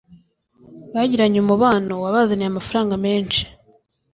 bagiranye umubano wabazaniye amafaranga menshi